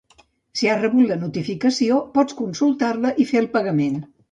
Si has rebut la notificació, pots consultar-la i fer el pagament.